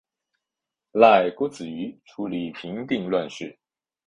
赖郭子仪处理平定乱事。